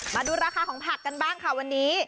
มาดูราคาของผักกันบ้างค่ะวันนี้